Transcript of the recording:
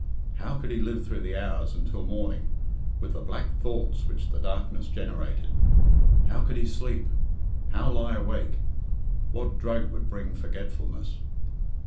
How could he live through the hours until morning, with the black thoughts which the darkness generated? How could he sleep? How lie awake? What drug would bring forgetfulness?